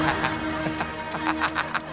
ハハハ